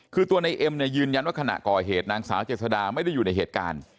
คือตัวในเอ็มเนี่ยยืนยันว่าขณะก่อเหตุนางสาวเจษดาไม่ได้อยู่ในเหตุการณ์